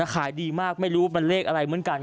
ขายดีมากไม่รู้มันเลขอะไรเหมือนกัน